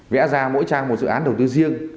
vẽ ra mỗi trang một dự án đầu tư riêng